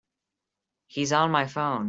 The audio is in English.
He's on my phone.